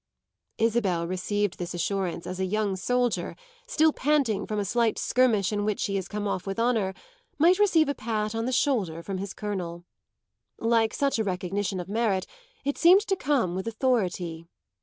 Isabel received this assurance as a young soldier, still panting from a slight skirmish in which he has come off with honour, might receive a pat on the shoulder from his colonel. Like such a recognition of merit it seemed to come with authority.